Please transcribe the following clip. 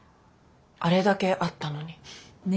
あれだけあったのに。ね！